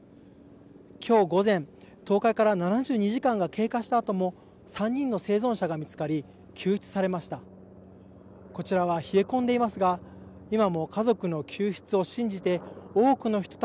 今日午前、倒壊から７２時間が経過したあとも３人の生存者が見つかり救出されました。